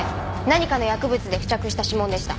何かの薬物で付着した指紋でした。